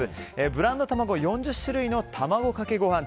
ブランド卵４０種類の卵かけご飯